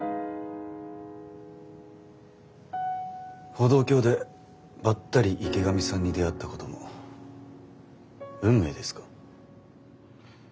歩道橋でばったり池上さんに出会ったことも運命ですか？